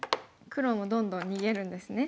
黒もどんどん逃げるんですね。